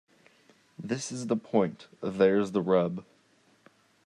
This is the point. There's the rub.